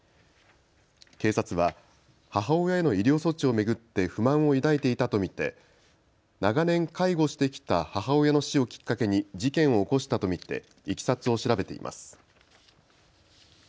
警察は母親への医療措置を巡って不満を抱いていたと見て、長年介護してきた母親の死をきっかけに事件を起こしたと見ていきさつを調べています。